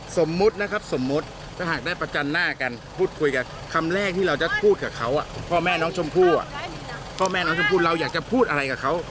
สมมุตินะครับสมมุติถ้าหากได้ประจันหน้ากันพูดคุยกับคำแรกที่เราจะพูดกับเขาพ่อแม่น้องชมพู่พ่อแม่น้องชมพู่เราอยากจะพูดอะไรกับเขา